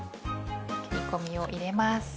切り込みを入れます。